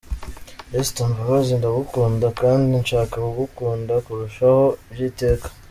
Esther Mbabazi ndagukunda kandi nshaka kugukunda kurushaho by’iteka.